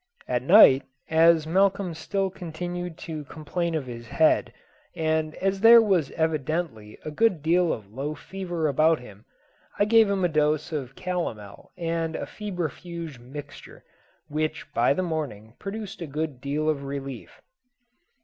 At night, as Malcolm still continued to complain of his head, and as there was evidently a good deal of low fever about him, I gave him a dose of calomel and a febrifuge mixture, which by the morning produced a good deal of relief.